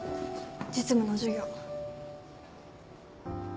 実務の授業。